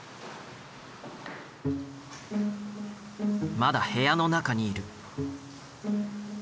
まだ部屋の中にいる。